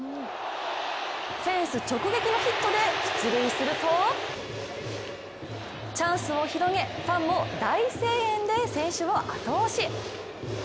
フェンス直撃のヒットで出塁するとチャンスを広げファンも大声援で選手を後押し。